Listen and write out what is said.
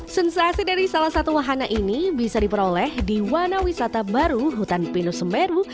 sensasi dari salah satu wahana ini bisa diperoleh di wahana wisata baru hutan pinus semeru